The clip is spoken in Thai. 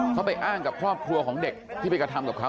เขาไปอ้างกับครอบครัวของเด็กที่ไปกระทำกับเขา